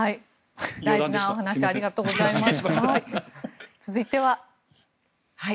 大事なお話ありがとうございます。